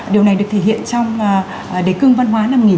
điều này được thể hiện trong đề cương văn hóa năm một nghìn chín trăm bốn mươi sáu